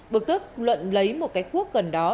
bực tức luận lấy một cái cuốc gần đó